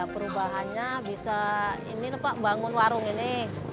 perubahannya bisa ini pak bangun warung ini